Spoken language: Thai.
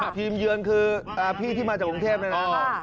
ทีมเยินคือพี่ที่มาจากกรุงเทพได้ไหม